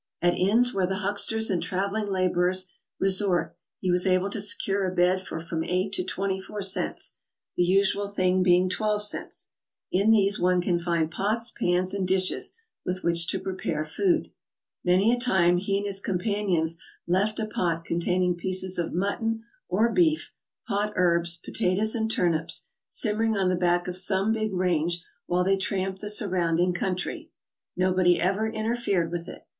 At inns where the hucksters and traveling laborers resort he was able to secure a bed for f'*om 8 to 24 cents, the usual thing being 12 cents. In these one can find pots, pans and dishes, with which to prepare food. Many a time he and his companions left a po*t contain ing pieces of mutton or beef, pot herbs, potatoes and turnips simmering on the back of some big range while they tramped the surrounding country. Nobody ever interfered with it.